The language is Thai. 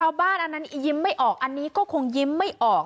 อันนั้นยิ้มไม่ออกอันนี้ก็คงยิ้มไม่ออก